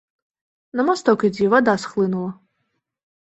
На масток ідзі, вада схлынула.